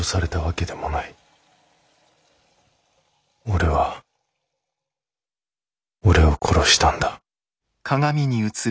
俺は俺を殺したんだ。